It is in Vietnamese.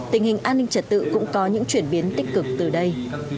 tình hình an ninh trật tự cũng có những chuyển biến tích cực từ đây